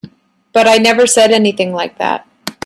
But I never said anything like that.